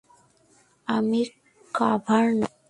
আমি কার্ভার না!